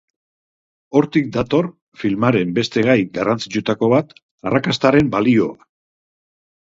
Hortik dator, filmaren beste gai garrantzitsuetako bat, arrakastaren balioa.